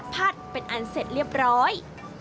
เป็นอันเสร็จเรียบร้อย